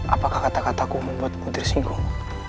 apakah kata kataku membuatmu tersinggung